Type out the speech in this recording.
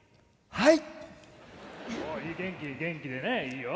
はい。